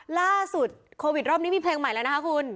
ล่าสุดโควิดรอบนี้มีเพลงใหม่แล้วนะคะคุณ